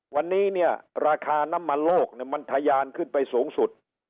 วันนี้เนี่ยราคาน้ำมันโลกมันทะยานขึ้นไปสูงสุด